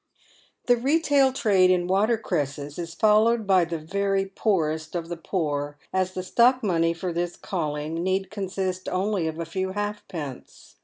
„.The retail trad e in water cre sses is followed by the very poorest of the poor, as the stock money for this calling need consist only of a few halfpence.